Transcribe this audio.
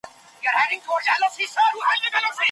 مرګ د ژوند د ټولو ارمانونو مړاوي کېدل دي.